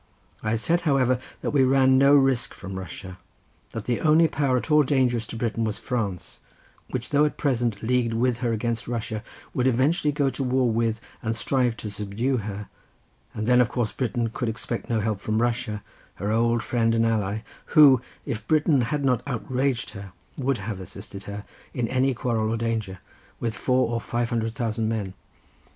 I said, however, that we ran no risk from Russia; that the only power at all dangerous to Britain was France, which though at present leagued with her against Russia, would eventually go to war with and strive to subdue her, and then of course Britain could expect no help from Russia, her old friend and ally, who, if Britain had not outraged her, would have assisted her, in any quarrel or danger, with four or five hundred thousand men.